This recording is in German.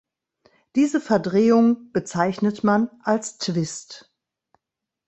Diese Verdrehung bezeichnet man als "Twist".